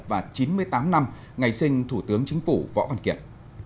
và chín mươi tám năm ngày sinh thủ tướng chính phủ võ văn kiệt